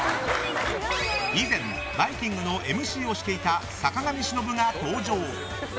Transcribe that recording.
以前、「バイキング」のＭＣをしていた坂上忍が登場。